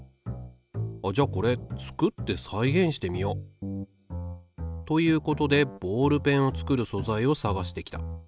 あっじゃあこれ作って再現してみよ。ということでボールペンを作る素材を探してきた。